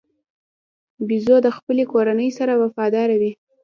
بیزو د خپلې کورنۍ سره وفاداره وي.